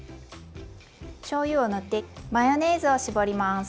しょうゆを塗ってマヨネーズを絞ります。